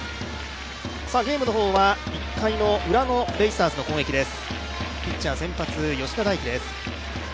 ゲームの方は１回ウラのベイスターズの攻撃です。